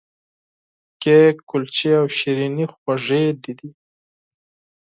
کیک، کلچې او شیریني خوږې دي.